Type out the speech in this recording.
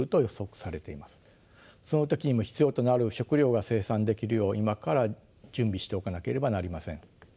その時にも必要となる食糧が生産できるよう今から準備しておかなければなりません。